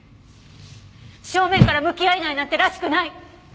正面から向き合えないなんてらしくない！